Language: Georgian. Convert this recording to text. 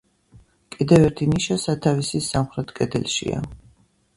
კიდევ ერთი ნიშა სათავსის სამხრეთ კედელშია.